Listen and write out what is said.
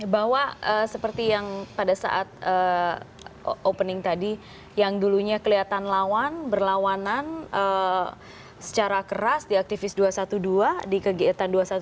bahwa seperti yang pada saat opening tadi yang dulunya kelihatan lawan berlawanan secara keras di aktivis dua ratus dua belas di kegiatan dua ratus dua belas